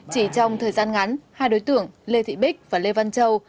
chỉ trong thời gian ngắn hai đối tượng lê thị bích và lê văn châu